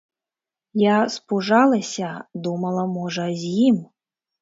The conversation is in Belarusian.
Я спужалася, думала, можа, з ім.